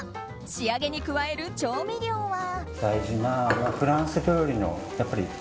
仕上げに加える調味料は。